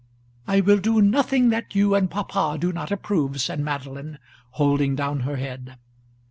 "I will do nothing that you and papa do not approve," said Madeline, holding down her head.